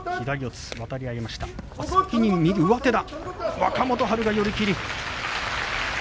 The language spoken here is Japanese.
若元春が寄り切り。